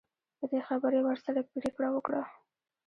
په دې خبره یې ورسره پرېکړه وکړه.